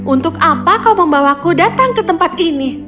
untuk apa kau membawaku datang ke tempat ini